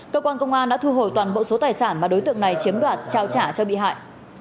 cơ quan công an đã thu hồi toàn bộ số tài sản mà đối tượng này chiếm đoạt trao trả cho bị hại